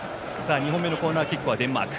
２本目のコーナーキックデンマーク。